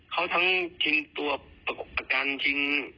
เขาทั้งที่ตัวการชิง